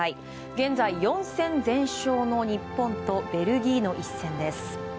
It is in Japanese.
現在、４戦全勝の日本とベルギーの一戦です。